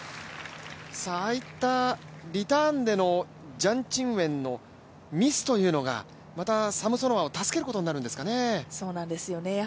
ああいったリターンでのジャン・チンウェンのミスというのがまたサムソノワを助けることになるんですかね。